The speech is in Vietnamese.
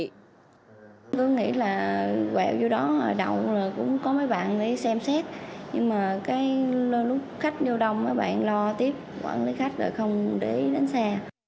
tôi nghĩ là quẹo vô đó đầu cũng có mấy bạn đi xem xét nhưng mà lúc khách vô đông mấy bạn lo tiếp quản lý khách rồi không để đến xe